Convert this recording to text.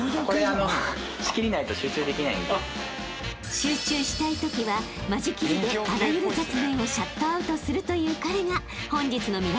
［集中したいときは間仕切りであらゆる雑念をシャットアウトするという彼が］